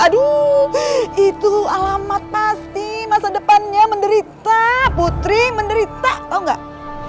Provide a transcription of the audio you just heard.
aduh itu alamat pasti masa depannya menderita putri menderita oh enggak